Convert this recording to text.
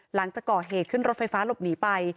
หลังจากก่อเหตุขึ้นรถไฟฟ้าหลบหนีไป